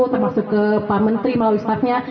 termasuk ke pak menteri melalui staffnya